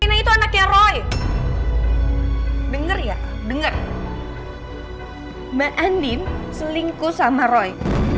ini itu anaknya roy denger ya denger mbak andin selingkuh sama roy